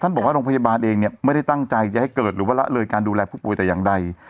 บอกว่าโรงพยาบาลเองเนี่ยไม่ได้ตั้งใจจะให้เกิดหรือว่าละเลยการดูแลผู้ป่วยแต่อย่างใด